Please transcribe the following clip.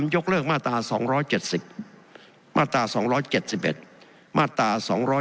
ยกเลิกมาตรา๒๗๐มาตรา๒๗๑มาตรา๒๗